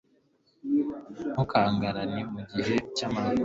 ntugakangarane mu gihe cy'amakuba